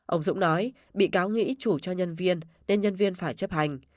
ông dũng nói bị cáo nghĩ chủ cho nhân viên nên nhân viên phải chấp hành